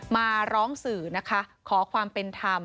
มาร้องสื่อนะคะขอความเป็นธรรม